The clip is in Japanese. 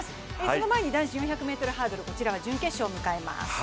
その前に男子４００ｍハードルは準決勝を迎えます。